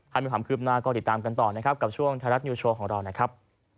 ถ้ามีความคืบหน้าก็ติดตามกันต่อนะครับกับช่วงไทยรัฐนิวโชว์ของเรานะครับ